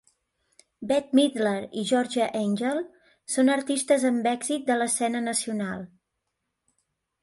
Bette Midler i Georgia Engel són artistes amb èxit de l'escena nacional.